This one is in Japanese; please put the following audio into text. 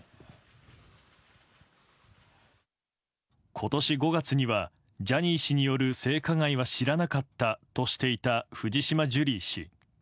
今年５月にはジャニー氏による性加害は知らなかったとしていた藤島ジュリー氏。